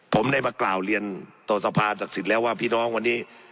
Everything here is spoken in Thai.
ผมได้มากล่าวเรียนต่อสภาศักดิ์สิทธิ์แล้วว่าพี่น้องวันนี้